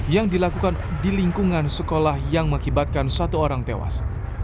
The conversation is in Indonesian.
yang dilakukan di lingkungan sekolah yang mengakibatkan satu orang tewas